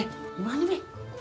ya mbak abe